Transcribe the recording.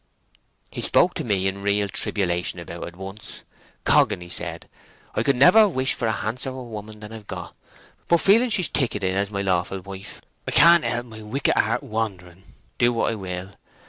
He spoke to me in real tribulation about it once. 'Coggan,' he said, 'I could never wish for a handsomer woman than I've got, but feeling she's ticketed as my lawful wife, I can't help my wicked heart wandering, do what I will.